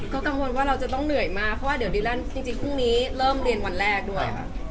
ก็กังวลว่าเราจะต้องเหนื่อยมากเพราะว่าตอนนี้เริ่มเรียนวันแรกด้วย